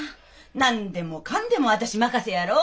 何でもかんでも私任せやろ？